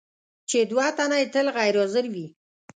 چې دوه تنه یې تل غیر حاضر وي.